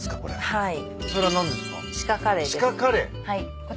はい。